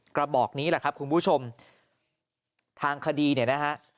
กระบอกนี้แหละครับคุณผู้ชมทางคดีเนี่ยนะฮะ